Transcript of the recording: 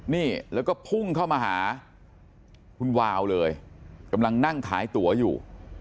นี่แล้วก็พุ่งเข้ามาหาคุณวาวเลยกำลังนั่งขายตั๋วอยู่